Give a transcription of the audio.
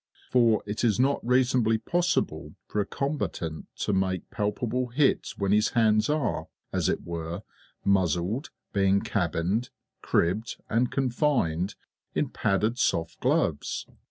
For it is not reasonably possible for a combatant to make a palpable hit when his hands are, as it were, muzzled, being cabined, cribbed, and confined in padded soft gloves.